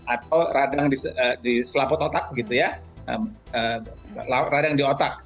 atau radang di selaput otak gitu ya radang di otak